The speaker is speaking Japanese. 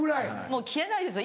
もう消えないです